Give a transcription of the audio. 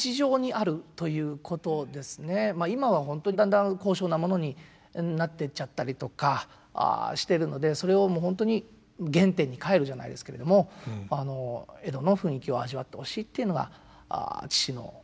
あ今は本当にだんだん高尚なものになっていっちゃったりとかしてるのでそれをもう本当に「原点にかえる」じゃないですけれども江戸の雰囲気を味わってほしいっていうのが父の願いでしたね。